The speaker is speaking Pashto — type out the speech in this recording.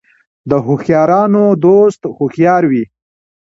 د هوښیارانو دوست هوښیار وي .